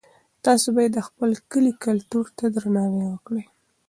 تاسي باید د خپل کلي کلتور ته درناوی وکړئ.